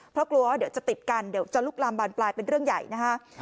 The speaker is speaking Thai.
เพราะกลัวว่าเดี๋ยวจะติดกันเดี๋ยวจะลุกลามบานปลายเป็นเรื่องใหญ่นะฮะ